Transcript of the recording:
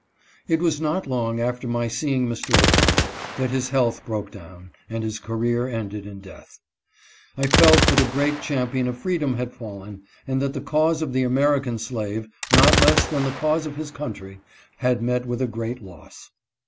It was not long after my seeing Mr. O'Connell that his health broke down, and his career ended in death. I felt that a great champion of freedom had fallen, and that the cause of the American slave, not less than the cause of his country, had met with a great loss.